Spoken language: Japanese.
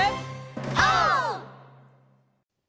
オー！